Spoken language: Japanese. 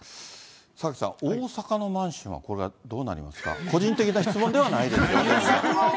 榊さん、大阪のマンションはこれはどうなりますか、個人的な質問ではないですよ。